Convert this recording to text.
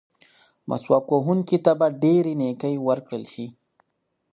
مسواک وهونکي ته به ډېرې نیکۍ ورکړل شي.